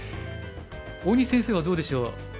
大西先生はどうでしょう？